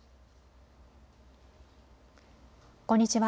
こんにちは。